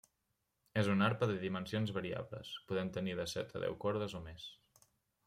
És una arpa de dimensions variables, podent tenir de set a deu cordes o més.